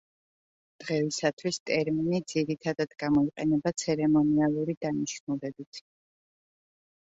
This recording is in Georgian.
დღეისათვის ტერმინი ძირითადად გამოიყენება ცერემონიალური დანიშნულებით.